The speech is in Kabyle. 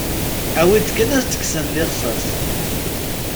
Awi-d kan as-d-kksen lixsas.